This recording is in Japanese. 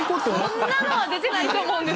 そんなのは出てないと思うんですけど。